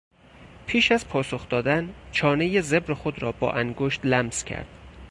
پیش از پاسخ دادن، چانهی زبر خود را با انگشت لمس کرد.